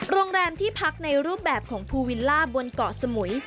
โรงแรมที่พักในรูปแบบของภูวิลล่าบนเกาะสมุย